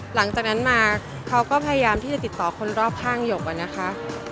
หลังจากนั้นมาเขาก็พยายามที่จะติดต่อคนรอบข้างหยกอะนะคะ